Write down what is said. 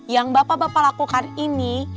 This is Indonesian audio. yang bapak bapak lakukan ini